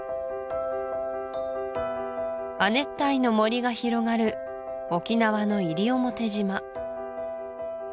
亜熱帯の森が広がる沖縄の西表島